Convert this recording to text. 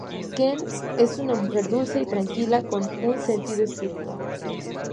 Kes es una mujer dulce y tranquila con un sentido espiritual.